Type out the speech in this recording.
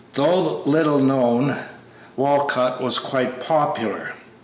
Though little known, Walcott was quite popular.